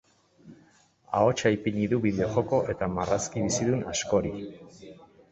Ahotsa ipini du bideo-joko eta marrazki-bizidun askori.